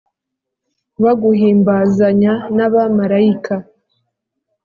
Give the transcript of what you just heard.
Baguhimbazanya n'abamalayika,